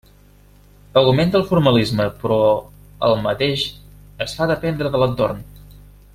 Augmenta el formalisme però al mateix es fa dependre de l'entorn.